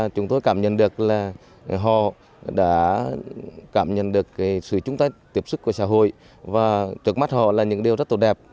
chúng tôi cảm nhận được là họ đã cảm nhận được sự chúng ta tiếp xúc của xã hội và trước mắt họ là những điều rất tốt đẹp